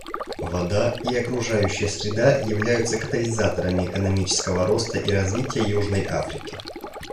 Вода и окружающая среда являются катализаторами экономического роста и развития Южной Африки.